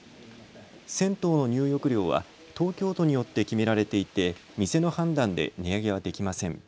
銭湯の入浴料は東京都によって決められていて店の判断で値上げはできません。